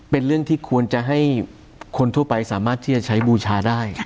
เป็นเรื่องที่ควรจะให้คนทั่วไปสามารถที่จะใช้บูชาได้